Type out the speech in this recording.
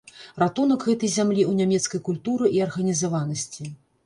Ратунак гэтай зямлі ў нямецкай культуры і арганізаванасці.